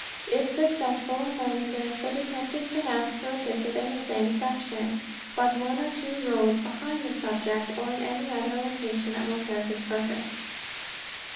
If successful in learning this, the detective can ask for a ticket in the same section, but one or two rows behind the subject, or in any other location that will serve his purpose.